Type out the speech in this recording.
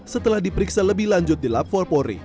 setelah diperiksa lebih lanjut di lab empat polri